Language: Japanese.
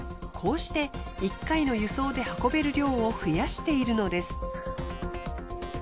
こうして１回の輸送で運べる量を増やしているのです。